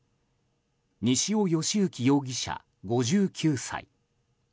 西尾嘉之容疑者、５９歳。